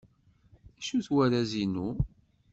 D acu-t warraz-inu?